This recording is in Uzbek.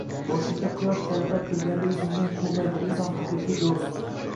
Boshingda quyosh charaqlab turganida izingdan quvmaydigan inson haqiqiy do'st.